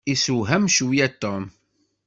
Isewham cwiya Tom.